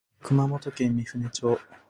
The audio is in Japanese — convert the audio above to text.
熊本県御船町